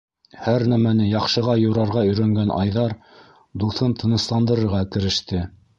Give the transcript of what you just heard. Һәр нәмәне яҡшыға юрарға өйрәнгән Айҙар дуҫын тынысландырырға кереште: